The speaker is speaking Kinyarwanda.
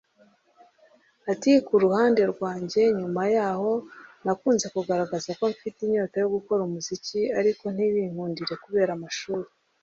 Ati “ Ku ruhande rwanjye nyuma yahoo nakunze kugaragaza ko mfite inyota yo gukora umuziki ariko ntibinkundire kubera amashuri